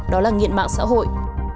đó là nghiện mạng xã hội